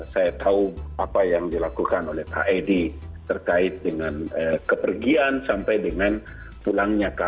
saya tahu apa yang dilakukan oleh pak edi terkait dengan kepergian sampai dengan pulangnya